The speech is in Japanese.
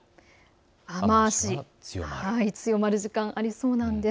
雨足、強まる時間ありそうなんです。